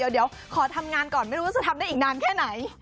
เดี๋ยวขอทำงานก่อนไม่รู้ว่าจะทำได้อีกนานแค่ไหน